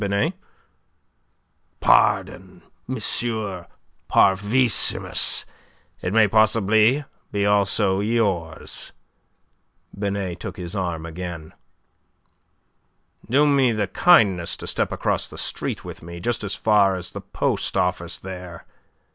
Binet." "Pardon, M. Parvissimus. It may possibly be also yours." Binet took his arm again. "Do me the kindness to step across the street with me. Just as far as the post office there.